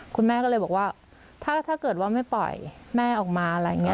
คุณแม่ก็เลยบอกว่าถ้าเกิดว่าไม่ปล่อยแม่ออกมาอะไรอย่างนี้